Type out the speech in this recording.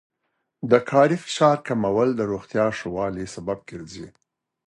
د کاري فشار کمول د روغتیا ښه والي سبب کېږي.